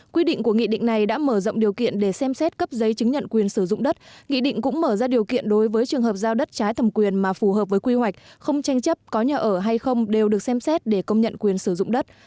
quy định của nghị định này đã mở rộng điều kiện để xem xét cấp giấy chứng nhận quyền sử dụng đất